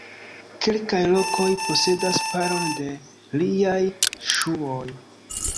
Kelkaj lokoj posedas paron de liaj ŝuoj.